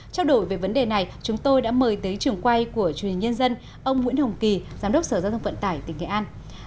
trao đổi về vấn đề này chúng tôi đã mời tới trường quay của truyền hình nhân dân ông nguyễn hồng kỳ giám đốc sở giao thông vận tải tỉnh nghệ an